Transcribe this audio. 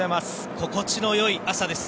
心地のよい朝です。